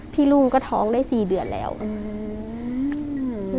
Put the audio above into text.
ลุงก็ท้องได้สี่เดือนแล้วอืม